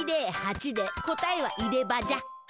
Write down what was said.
１０８で答えは入れ歯じゃ。